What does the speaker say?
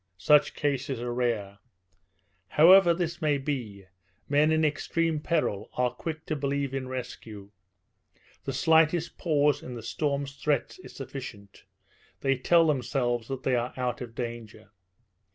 Such cases are rare. However this may be, men in extreme peril are quick to believe in rescue; the slightest pause in the storm's threats is sufficient; they tell themselves that they are out of danger.